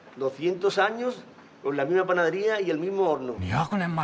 ２００年前！